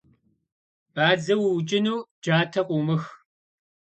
Бадзэ уукӏыну джатэ къыумых.